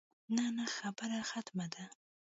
نه نه خبره ختمه ده.